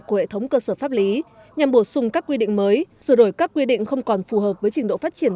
của hệ thống cơ sở pháp lý nhằm bổ sung các quy định mới sửa đổi các quy định không còn phù hợp với trình độ phát triển